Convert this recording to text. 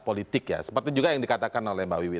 politik ya seperti juga yang dikatakan oleh mbak wiwi